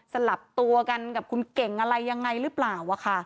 สลับตัวกันกับคุณเก่งอะไรยังไงหรือเปล่า